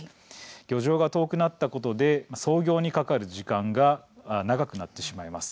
漁場が遠くなったことで操業に関わる時間が長くなってしまいます。